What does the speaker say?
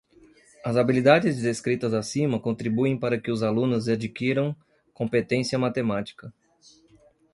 As habilidades descritas acima contribuem para que os alunos adquiram competência matemática.